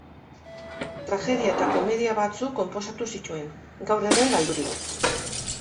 Tragedia eta komedia batzuk konposatu zituen, gaur egun galdurik.